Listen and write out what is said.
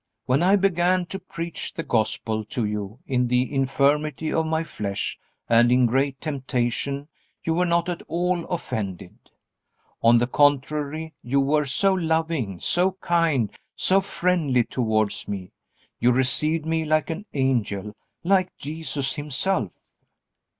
When I began to preach the Gospel to you in the infirmity of my flesh and in great temptation you were not at all offended. On the contrary, you were so loving, so kind, so friendly towards me, you received me like an angel, like Jesus Himself."